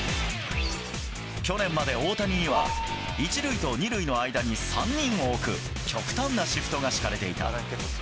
去年まで大谷には、１塁と２塁の間に３人を置く極端なシフトが敷かれていた。